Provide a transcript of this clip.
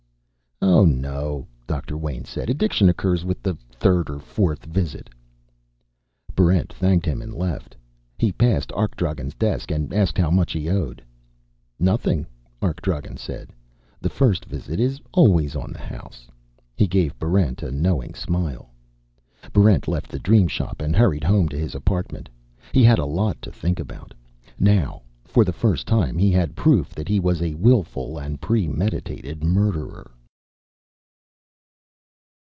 "Oh, no," Doctor Wayn said. "Addiction occurs with the third or fourth visit." Barrent thanked him and left. He passed Arkdragen's desk and asked how much he owed. "Nothing," Arkdragen said. "The first visit is always on the house." He gave Barrent a knowing smile. Barrent left the Dream Shop and hurried home to his apartment. He had a lot to think about. Now, for the first time, he had proof that he was a willful and premeditated murderer.